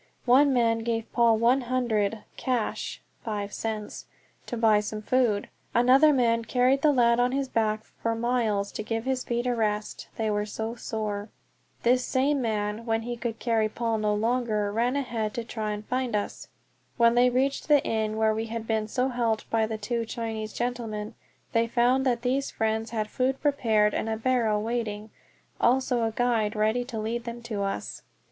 One man gave Paul one hundred cash (five cents) to buy some food; another man carried the lad on his back for miles to give his feet a rest, they were so sore. This same man, when he could carry Paul no longer, ran ahead to try and find us. When they reached the inn where we had been so helped by the two Chinese gentlemen, they found that these friends had food prepared and a barrow waiting, also a guide ready to lead them to us!